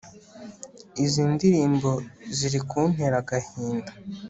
izi ndirimbo ziri kuntera agahinda